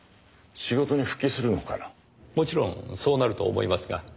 もちろんそうなると思いますが。